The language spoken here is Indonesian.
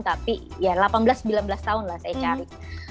tapi ya delapan belas sembilan belas tahun lah saya cari